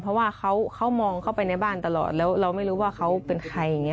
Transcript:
เพราะว่าเขามองเข้าไปในบ้านตลอดแล้วเราไม่รู้ว่าเขาเป็นใครอย่างนี้